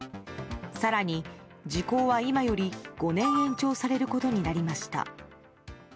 更に時効は今より５年延長されることになりました。